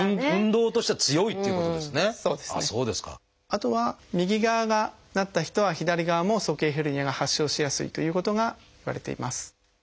あとは右側がなった人は左側も鼠径ヘルニアが発症しやすいということがいわれています。